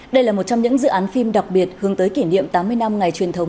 đây là một trong những dự án phim đặc biệt hướng tới kỷ niệm tám mươi năm ngày truyền thống